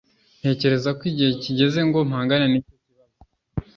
ntekereza ko igihe kigeze ngo mpangane nicyo kibazo